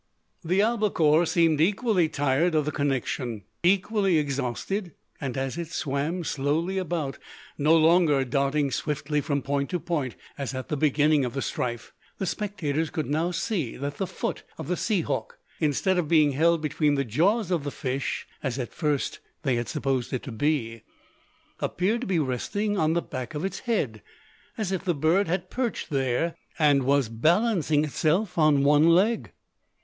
The albacore seemed equally tired of the connection, equally exhausted; and as it swam slowly about, no longer darting swiftly from point to point, as at the beginning of the strife, the spectators could now see that the foot of the sea hawk, instead of being held between the jaws of the fish, as at first they had supposed it to be, appeared to be resting on the back of its head, as if the bird had perched there, and was balancing itself on one leg!